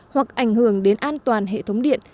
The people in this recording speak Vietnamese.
hoặc ảnh hưởng đến an toàn hệ thống điện